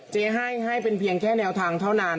เจ๊ให้ให้เป็นเพียงแค่แนวทางเท่านั้น